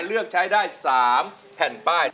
เลือกใช้ได้๓แผ่นป้าย